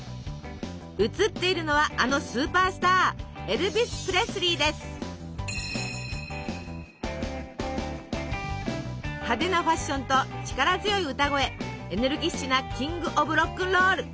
写っているのはあのスーパースター派手なファッションと力強い歌声エネルギッシュなキング・オブロックンロール！